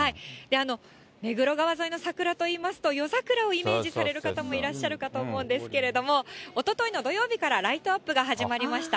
目黒川沿いの桜といいますと、夜桜をイメージされる方もいらっしゃるかと思うんですけれども、おとといの土曜日からライトアップが始まりました。